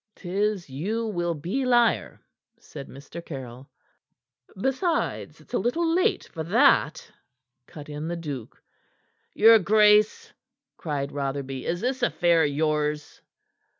"'T is you will be liar," said Mr. Caryll. "Besides, it is a little late for that," cut in the duke. "Your grace," cried Rotherby, "is this affair yours?"